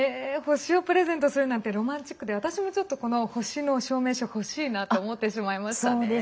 星をプレゼントするなんてロマンチックで私も、この星の証明書欲しいなと思ってしまいましたね。